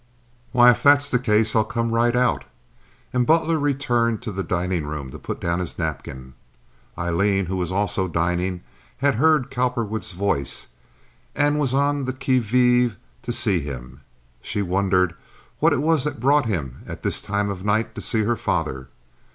"Why, if that's the case, I'll come right out." And Butler returned to the dining room to put down his napkin. Aileen, who was also dining, had heard Cowperwood's voice, and was on the qui vive to see him. She wondered what it was that brought him at this time of night to see her father.